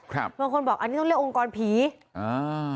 ครับบางคนบอกอันนี้ต้องเรียกองค์กรผีอ่า